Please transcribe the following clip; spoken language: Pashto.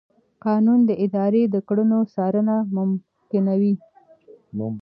قانون د ادارې د کړنو څارنه ممکنوي.